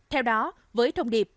theo đó với thông điệp